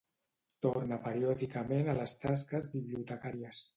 Torna periòdicament a les tasques bibliotecàries.